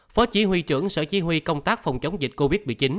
phó chỉ huy trưởng sở chí huy công tác phòng chống dịch covid một mươi chín